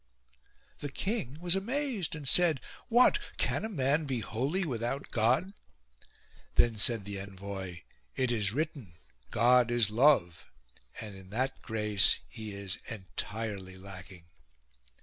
The king was amazed, no GREEKS OUTWITTED and said :" What ! can a man be holy without God ?" Then said the envoy :" It is written, * God is love,' and in that grace he is entirely lacking."